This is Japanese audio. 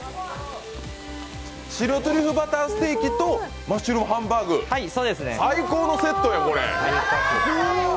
白トリュフバターステーキとマッシュルームハンバーグ、最高のセットよ、これ。